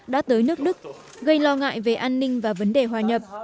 đã tới nước đức gây lo ngại về an ninh và vấn đề hòa nhập